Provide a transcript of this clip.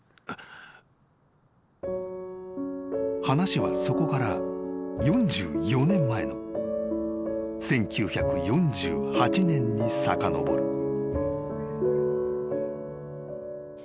［話はそこから４４年前の１９４８年にさかのぼる］